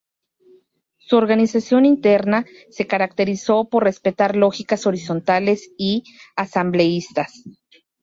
Su organización interna se caracterizó por respetar lógicas horizontales y asambleístas.